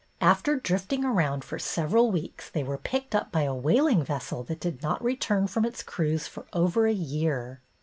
After drifting around for several weeks, they were picked up by a whaling vessel that did not return from its cruise for over a year.